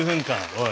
おい。